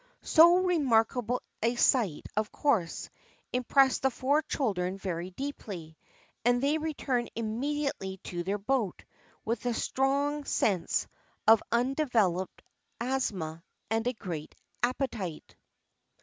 So remarkable a sight, of course, impressed the four children very deeply; and they returned immediately to their boat with a strong sense of undeveloped asthma and a great appetite.